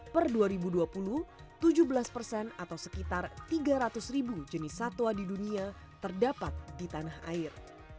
per dua ribu dua puluh tujuh belas persen atau sekitar tiga ratus ribu jenis satwa di dunia terdapat di tanah air